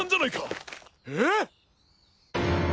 えっ？